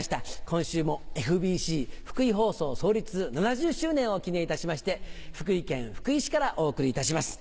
今週もＦＢＣ福井放送創立７０周年を記念いたしまして福井県福井市からお送りいたします。